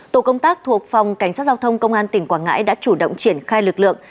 tổ công tác thuộc phòng cảnh sát giao thông công an tỉnh quảng ngãi đã chủ động triển khai lực lượng